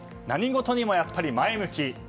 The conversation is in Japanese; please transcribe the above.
何事にもやっぱり前向き。